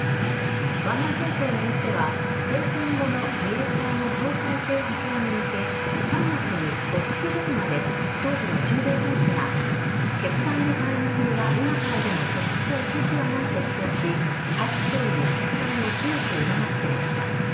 湾岸戦争を巡っては停戦後の自衛隊の掃海艇派遣に向け３月に極秘電話で当時の駐米大使が決断のタイミングは今からでも決して遅くはないと主張し海部総理に決断を強く促していました。